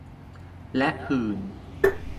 และหื่น